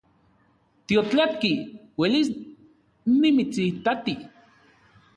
Tiotlatki uelis nimitsitati